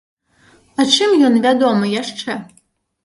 А чым ён вядомы яшчэ?